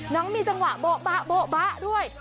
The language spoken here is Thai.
น้องมีจังหวะโบ๊ะบะด้วย